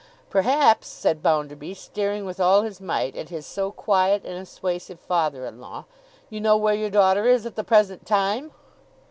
Perhaps,' said Bounderby, staring with all his might at his so quiet and assuasive father in law, 'you know where your daughter is at the present time!